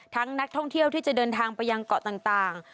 นักท่องเที่ยวที่จะเดินทางไปยังเกาะต่าง